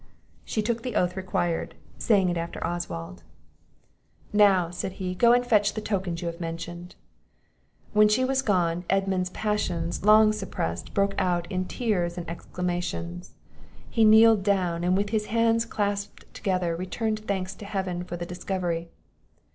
She took the oath required, saying it after Oswald. "Now," said he, "go and fetch the tokens you have mentioned." When she was gone, Edmund's passions, long suppressed, broke out in tears and exclamations; he kneeled down, and, with his hands clasped together, returned thanks to Heaven for the discovery.